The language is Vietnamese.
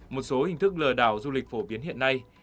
một số hình thức lừa đảo du lịch phổ biến hiện nay